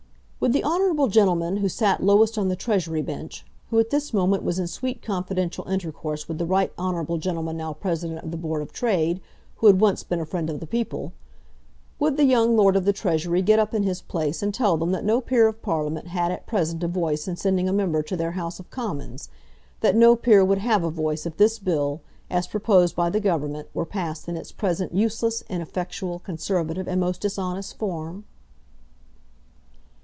"Would the honourable gentleman who sat lowest on the Treasury bench, who at this moment was in sweet confidential intercourse with the right honourable gentleman now President of the Board of Trade, who had once been a friend of the people, would the young Lord of the Treasury get up in his place and tell them that no peer of Parliament had at present a voice in sending a member to their House of Commons, that no peer would have a voice if this bill, as proposed by the Government, were passed in its present useless, ineffectual, conservative, and most dishonest form?"